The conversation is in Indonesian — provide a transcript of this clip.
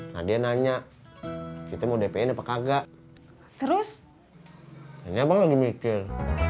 nah dia nanya kita mau dpi in apa kagak terus ini apa lagi mikir